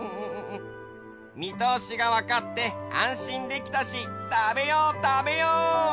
みとおしがわかってあんしんできたしたべようたべよう！